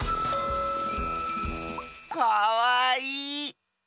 かわいい！